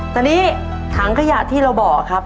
ตอนนี้ถังขยะที่เราบอกครับ